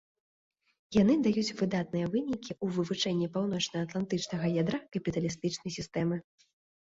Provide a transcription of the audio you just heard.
Яны даюць выдатныя вынікі ў вывучэнні паўночнаатлантычнага ядра капіталістычнай сістэмы.